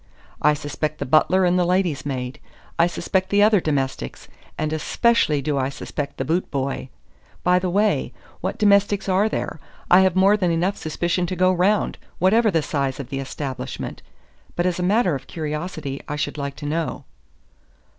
I suspect the butler and the lady's maid. I suspect the other domestics, and especially do I suspect the boot boy. By the way, what domestics are there? I have more than enough suspicion to go round, whatever the size of the establishment; but as a matter of curiosity I should like to know."